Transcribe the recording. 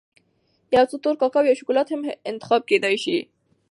یو څه تور کاکاو یا شکولات هم انتخاب کېدای شي.